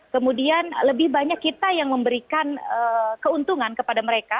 kemudian lebih banyak kita yang memberikan keuntungan kepada mereka